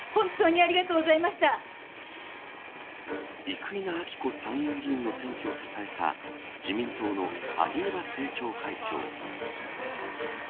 生稲晃子参院議員の選挙を支えた自民党の萩生田政調会長。